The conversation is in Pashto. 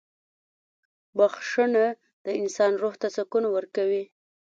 • بخښنه د انسان روح ته سکون ورکوي.